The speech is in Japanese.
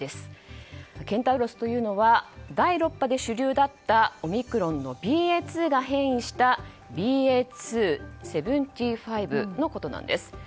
ケンタウロスというのは第６波で主流だったオミクロンのＢＡ．２が変異したＢＡ．２．７５のことなんです。